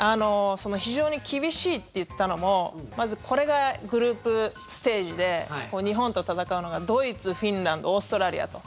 非常に厳しいって言ったのもまず、これがグループステージで日本と戦うのがドイツ、フィンランドオーストラリアと。